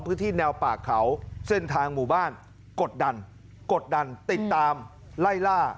พื้นที่แนวป่าเขาเส้นทางหมู่บ้านกดดันกดดันติดตามไล่ล่า